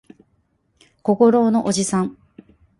小五郎のおじさん